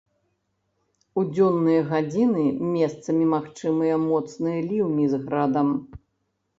У дзённыя гадзіны месцамі магчымыя моцныя ліўні з градам.